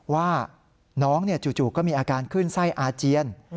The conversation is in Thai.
ว่าน้องจู่ก็มีอาการขึ้นไส้อาเจียน